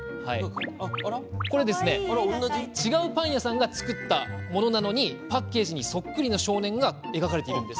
違うパン屋さんが作ったものなのにパッケージに、そっくりの少年が描かれているんです。